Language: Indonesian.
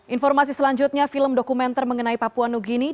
informasi selanjutnya film dokumenter mengenai papua new guinea